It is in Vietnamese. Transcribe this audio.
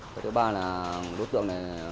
cái thứ ba là đối tượng này